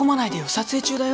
撮影中だよ